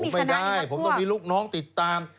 ผมไม่ได้ผมต้องมีลูกน้องติดตาม